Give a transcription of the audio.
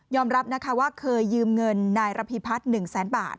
รับนะคะว่าเคยยืมเงินนายระพีพัฒน์๑แสนบาท